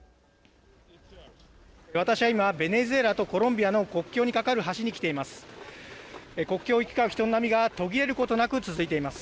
私は今ベネズエラとコロンビアの国境に架かる橋に来ています。